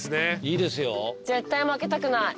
絶対負けたくない。